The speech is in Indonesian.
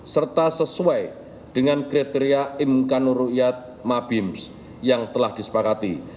serta sesuai dengan kriteria imkanur rukyat mabims yang telah disepakati